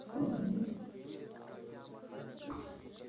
دجومات په مخکې يې کېږدۍ.